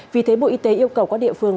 vì thế bộ y tế yêu cầu các địa phương